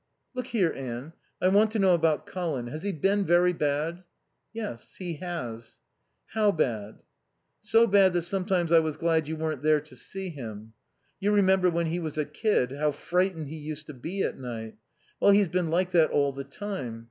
"Look here, Anne, I want to know about Colin. Has he been very bad?" "Yes, he has." "How bad?" "So bad that sometimes I was glad you weren't there to see him. You remember when he was a kid, how frightened he used to be at night. Well, he's been like that all the time.